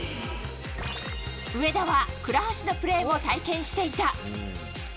上田は倉橋のプレーも体験していた。